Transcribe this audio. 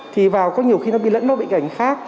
thì vào có nhiều khi nó bị lẫn nó bị gảnh